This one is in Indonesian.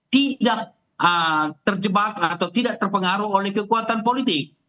tidak terjebak atau tidak terpengaruh oleh kekuatan politik